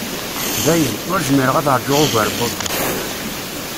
Dayen, ur zmireɣ ad rjuɣ ugar n wakka.